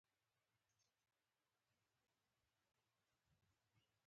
د استخباراتو رییس دنده څه ده؟